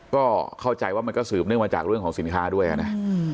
ก็เข้าใจว่ามันก็สืบเนื่องมาจากเรื่องของสินค้าด้วยนะ